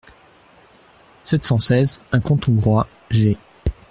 sept cent seize), un conte hongrois (G.